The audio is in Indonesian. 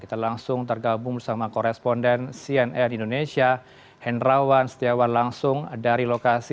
kita langsung tergabung bersama koresponden cnn indonesia henrawan setiawan langsung dari lokasi